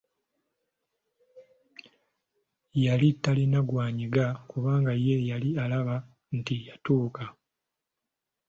Yali talina gwanyega kubanga ye yali alaba nti yatuuka!